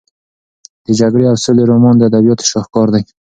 د جګړې او سولې رومان د ادبیاتو شاهکار دی.